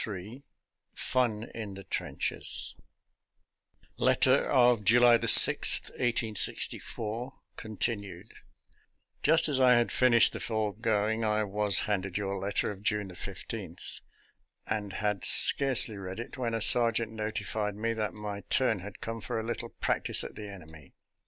XXIII FUN IN THE TRENCHES (Letter of July 6, 1864, Continued) Just as I had finished the foregoing, I was handed your letter of June 15, and had scarcely read it, when a sergeant notified me that my turn had come for a little practice at the enemy.